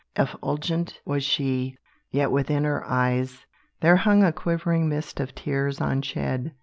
Effulgent was she; yet within her eyes, There hung a quivering mist of tears unshed.